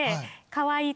かわいい！